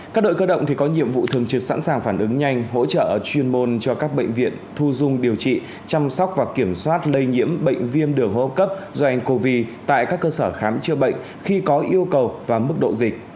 các đội cơ động có nhiệm vụ thường trực sẵn sàng phản ứng nhanh hỗ trợ chuyên môn cho các bệnh viện thu dung điều trị chăm sóc và kiểm soát lây nhiễm bệnh viêm đường hô hấp cấp do ncov tại các cơ sở khám chữa bệnh khi có yêu cầu và mức độ dịch